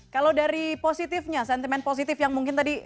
kalau dari positifnya sentimen positif yang mungkin tadi